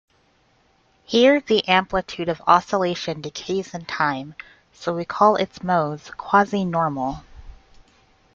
Here the amplitude of oscillation decays in time, so we call its modes "quasi-normal".